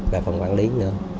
về phòng quản lý nữa